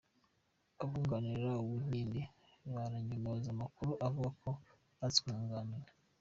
Abunganira Uwinkindi baranyomoza amakuru avuga ko banze kumwunganira